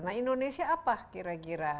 nah indonesia apa kira kira